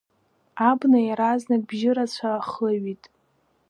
Абна иаразнак бжьы рацәа ахыҩит…